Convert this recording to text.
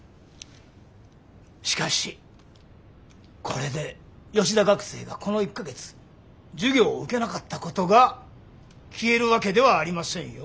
しかしこれで吉田学生がこの１か月授業を受けなかったことが消えるわけではありませんよ。